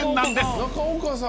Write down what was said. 中岡さん。